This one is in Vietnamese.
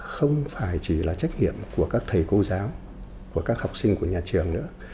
không phải chỉ là trách nhiệm của các thầy cô giáo của các học sinh của nhà trường nữa